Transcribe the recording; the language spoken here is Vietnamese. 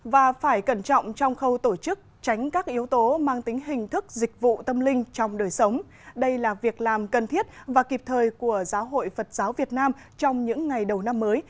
và phải cẩn trọng trong khâu tổ chức tránh các yếu tố mang tính hình thức dịch vụ tâm linh trong đời sống đây là việc làm cần thiết và kịp thời của giáo hội phật giáo việt nam trong những ngày đầu năm mới